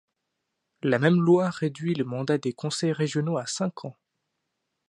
La même loi réduit le mandat des conseils régionaux à cinq ans.